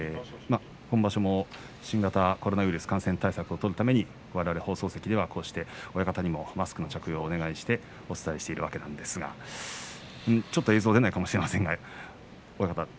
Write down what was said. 今場所も、新型コロナウイルス感染対策を取るためにわれわれ放送席ではこうして親方にもマスクの着用をお願いしてお伝えしているわけなんですがちょっと映像が出ないかもしれません、親方。